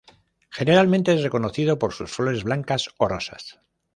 Generalmente es reconocido por sus flores blancas o rosas.